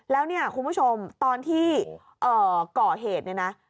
แล้วเนี่ยคุณผู้ชมตอนที่ก่อเหตุเนี่ยนะ